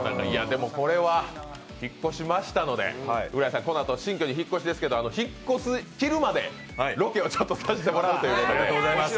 これは引っ越しましたので浦井さん、今度引っ越しですけど、引っ越しするまでロケをさせてもらうということで。